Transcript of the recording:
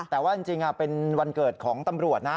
แต่ว่าจริงเป็นวันเกิดของตำรวจนะ